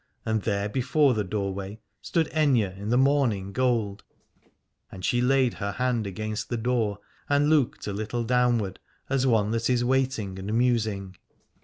And there before the doorway stood Aithne in the morning gold, and she laid her hand against the door and looked a little downward, as one that is waiting and mus ing.